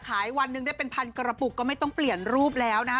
วันหนึ่งได้เป็นพันกระปุกก็ไม่ต้องเปลี่ยนรูปแล้วนะ